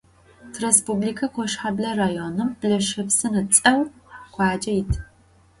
Tirêspublike Koşheble rayonım Blaşepsın ıts'eu khuace yit.